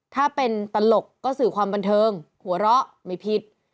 ถ้าเป็นตลกก็สื่อความบันเทิงหัวเราะไม่ผิด